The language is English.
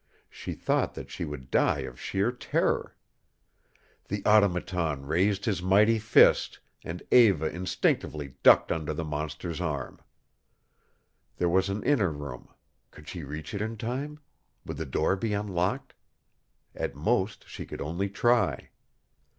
She thought that she would die of sheer terror. The Automaton raised his mighty fist, and Eva instinctively ducked under the monster's arm. There was an inner room. Could she reach it in time? Would the door be unlocked? At most she could only try.